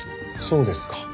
そうですか。